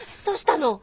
どうしたの？